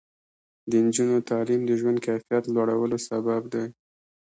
د نجونو تعلیم د ژوند کیفیت لوړولو سبب دی.